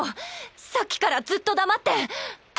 さっきからずっと黙って。